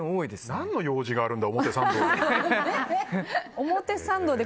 何の用事があるんだ表参道に。